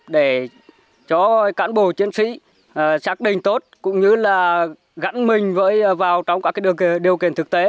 cảm ơn các cán bộ chiến sĩ xác định tốt cũng như là gắn mình vào trong các điều kiện thực tế